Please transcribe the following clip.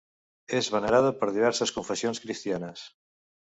És venerada per diverses confessions cristianes.